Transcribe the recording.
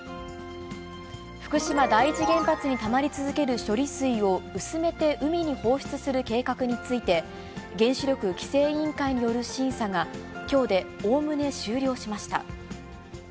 福島第一原発にたまり続ける処理水を、薄めて海に放出する計画について、原子力規制委員会による審査が、きょうでおおむね終了しました。